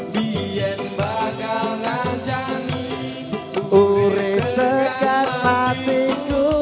lien bakang nyatani uri tekan matiku